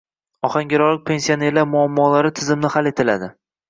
Ohangaronlik pensionerlar muammolari tizimli hal etiladi